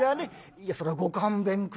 「いやそれはご勘弁下さい」。